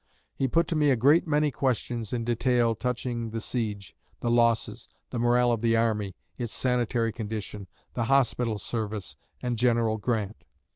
He put to me a great many questions in detail touching the siege, the losses, the morale of the army, its sanitary condition, the hospital service, and General Grant.